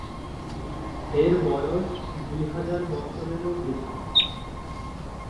এর বয়স দুই হাজার বছরেরও বেশি।